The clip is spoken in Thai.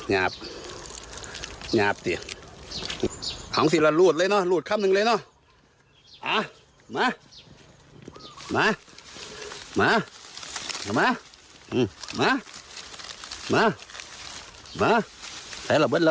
มามามามาเลยมามาเอาละ